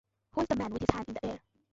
Who is the man with his hand in the air?